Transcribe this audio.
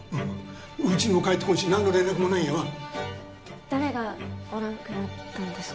うちにも帰ってこんし何の連絡もないんやわ誰がおらんくなったんですか？